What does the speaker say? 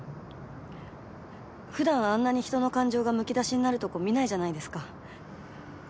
普段あんなに人の感情がむき出しになるとこ見ないじゃないですか。